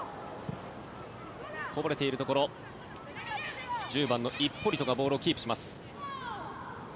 こぼれているところ１０番のイッポリトがボールをキープします。